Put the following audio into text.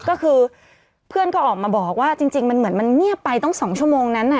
ก็คือเพื่อนก็ออกมาบอกว่าจริงมันเหมือนมันเงียบไปตั้ง๒ชั่วโมงนั้น